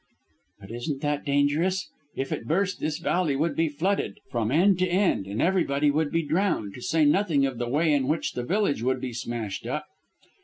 "But isn't that dangerous. If it burst this valley would be flooded from end to end, and everybody would be drowned, to say nothing of the way in which the village would be smashed up."